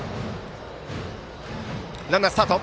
ランナースタート。